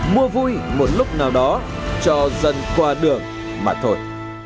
mua vui một lúc nào đó cho dân qua đường mà thôi